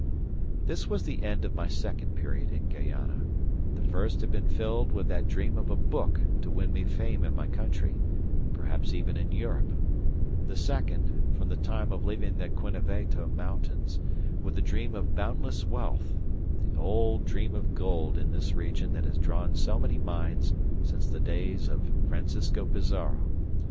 This was the end of my second period in Guayana: the first had been filled with that dream of a book to win me fame in my country, perhaps even in Europe; the second, from the time of leaving the Queneveta mountains, with the dream of boundless wealth the old dream of gold in this region that has drawn so many minds since the days of Francisco Pizarro.